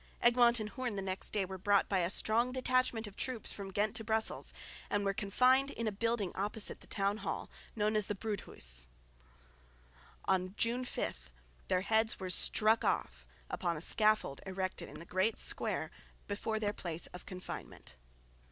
Egmont and Hoorn the next day were brought by a strong detachment of troops from Ghent to Brussels and were confined in a building opposite the town hall, known as the Broodhuis. On June 5, their heads were struck off upon a scaffold erected in the great square before their place of confinement.